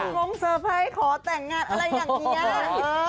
คุณคงเซิร์ฟให้ขอแต่งงานอะไรอย่างเงี้ย